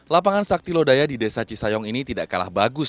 lapangan sakti lodaya di desa cisayong ini tidak kalah bagus